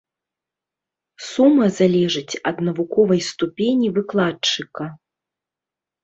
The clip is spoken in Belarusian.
Сума залежыць ад навуковай ступені выкладчыка.